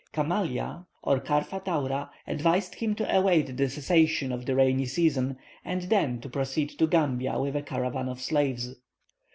Kamalia, or Karfa Taura advised him to await the cessation of the rainy season, and then to proceed to Gambia with a caravan of slaves.